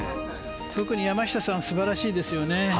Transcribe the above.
特に山下さん素晴らしいですよね。